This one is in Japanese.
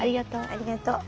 ありがとう。